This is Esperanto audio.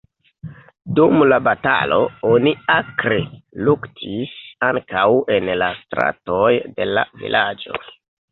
Dum la batalo oni akre luktis ankaŭ en la stratoj de la vilaĝo.